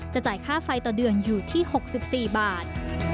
จ่ายค่าไฟต่อเดือนอยู่ที่๖๔บาท